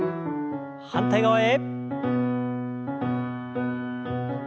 反対側へ。